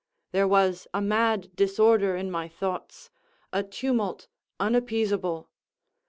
There was a mad disorder in my thoughts—a tumult unappeasable.